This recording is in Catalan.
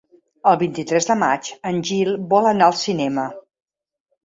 El vint-i-tres de maig en Gil vol anar al cinema.